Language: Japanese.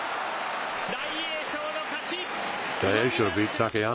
大栄翔の勝ち。